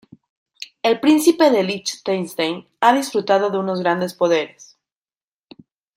El príncipe de Liechtenstein ha disfrutado de unos grandes poderes.